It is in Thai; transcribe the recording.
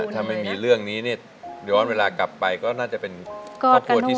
ถ้าไม่มีเรื่องนี้เนี่ยเดี๋ยวว่าเวลากลับไปก็น่าจะเป็นครอบครัวที่สมบูรณ์